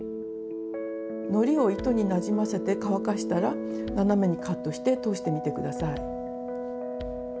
のりを糸になじませて乾かしたら斜めにカットして通してみて下さい。